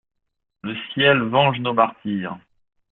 Le Ciel venge nos martyrs!